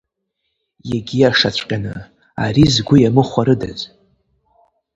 Иагьиашаҵәҟьаны, ари згәы иамыхәарыдаз.